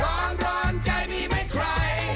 ร้อนร้อนใจมีไม่ใคร